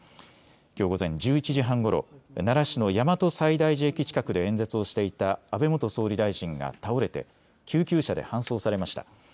きょう午前１１時半ごろ、奈良市の大和西大寺駅近くで演説をしていた安倍元総理大臣が倒れて救急車で搬送されました。